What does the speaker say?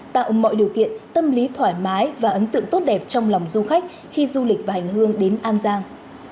tạo mọi điều kiện tâm lý thoải mái và ấn tượng tốt đẹp trong lòng du khách khi du lịch và hành hương đến an giang